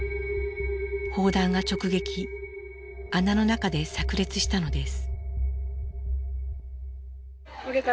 砲弾が直撃穴の中でさく裂したのです。